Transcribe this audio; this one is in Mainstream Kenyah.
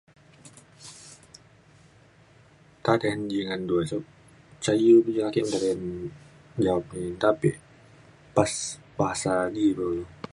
Nta te ji ngan du ca iu pa ja ake [unintelligible] tapek pass bahasa ji kulu